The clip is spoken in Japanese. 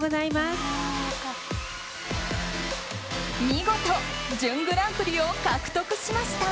見事、準グランプリを獲得しました。